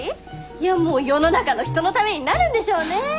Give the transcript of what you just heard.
いやもう世の中の人のためになるんでしょうね。